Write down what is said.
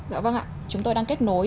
dạ vâng ạ chúng tôi đang kết nối